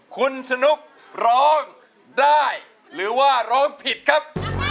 คุณสนุกร้องได้หรือว่าร้องผิดครับ